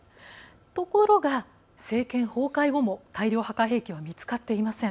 ところが、政権崩壊後も大量破壊兵器は見つかっていません。